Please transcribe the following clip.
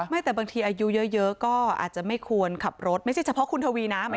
แต่บางทีอายุเยอะก็อาจจะไม่ควรขับรถไม่ใช่เฉพาะคุณทวีนะ